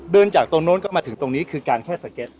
เดินจากตรงโน้นก็มาถึงตรงนี้คือการแค่สเก็ต